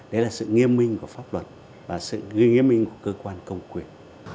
đấy là sự nghiêm minh của pháp luật và sự ghi nghiêm minh của cơ quan công quyền